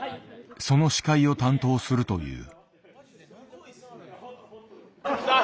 その司会を担当するという。